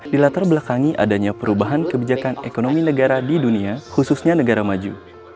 dilatar belakangi adanya perubahan kebijakan ekonomi negara di dunia khususnya negara maju